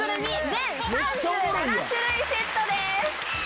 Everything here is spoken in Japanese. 全３７種類セットです。